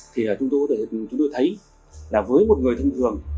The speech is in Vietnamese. thì chúng tôi thấy là với một người thông thường